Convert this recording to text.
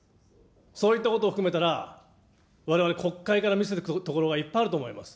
そういったことを含めたら、われわれ国会から見せていくところがいっぱいあると思います。